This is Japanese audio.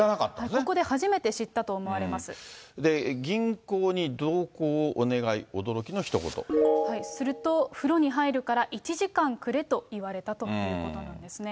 ここで初めて知ったと思われ銀行に同行をお願い、すると、風呂に入るから１時間くれと言われたということなんですね。